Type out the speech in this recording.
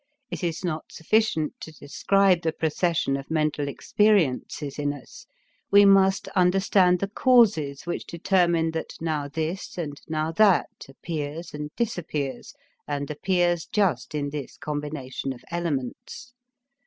It is not sufficient to describe the procession of mental experiences in us, we must understand the causes which determine that now this and now that appears and disappears, and appears just in this combination of elements.